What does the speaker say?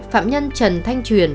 phạm nhân trần thanh truyền